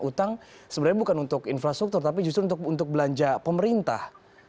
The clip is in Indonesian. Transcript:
utang sebenarnya bukan untuk infrastruktur tapi justru untuk belanja pemerintah